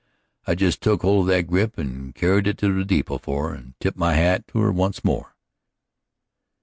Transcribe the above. I just took hold of that grip and carried it to the depot for her and tipped my hat to her once more.